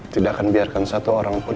tidak akan biarkan satu orang pun